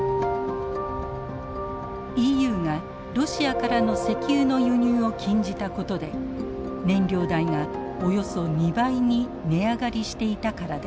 ＥＵがロシアからの石油の輸入を禁じたことで燃料代がおよそ２倍に値上がりしていたからです。